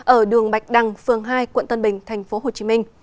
ở đường bạch đăng phường hai quận tân bình tp hcm